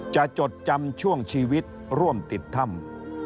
จดจำช่วงชีวิตร่วมติดถ้ำ